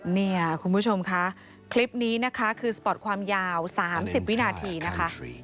เนี่ยคุณผู้ชมค่ะคลิปนี้นะคะคือสปอร์ตความยาว๓๐วินาทีนะคะ